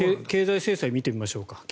経済制裁を見てみましょうか。